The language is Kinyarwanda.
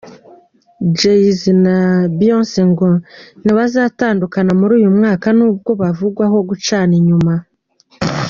Jay-z na Beyonce ngo ntibazatandukana muri uyu mwaka nubwo bavugwaho gucana inyuma.